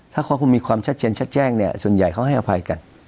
ตรงนี้ส่วนใหญ่เขาให้อภัย